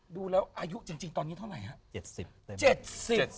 ดูแล้วอายุจริงตอนนี้เท่าไหร่ครับ